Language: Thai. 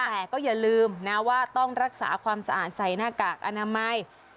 แต่ก็อย่าลืมนะว่าต้องรักษาความสะอาดใส่หน้ากากอนามัย